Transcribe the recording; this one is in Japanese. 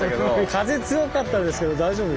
風強かったですけど大丈夫でした？